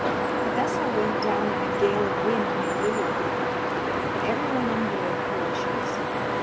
A vessel went down in a gale of wind near Liverpool, and every one on board perishes.